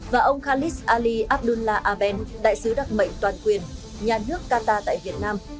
và ông khalid ali abdullah abed đại sứ đặc mệnh toàn quyền nhà nước qatar tại việt nam